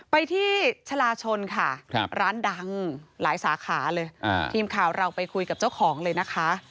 ไปที่ชาลาชนค่ะร้านดังหลายสาขาเลยทีมข่าวเราไปคุยกับเจ้าของเลยนะคะ